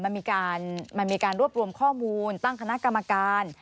มันมีการรวบรวมข้อมูลตั้งคณะกรรมการ